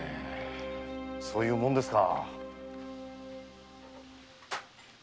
そういうもんですか。